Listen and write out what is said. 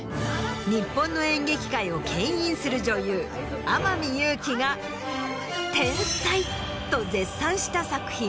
日本の演劇界をけん引する女優天海祐希が。と絶賛した作品。